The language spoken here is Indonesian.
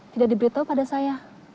tidak diberitahu pada saya